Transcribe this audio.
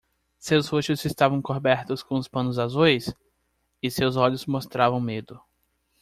Seus rostos estavam cobertos com os panos azuis? e seus olhos mostravam medo.